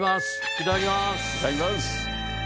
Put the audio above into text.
いただきます。